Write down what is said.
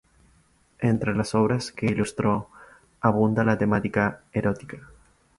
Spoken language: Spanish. Entre las obras que ilustró abunda la temática erótica.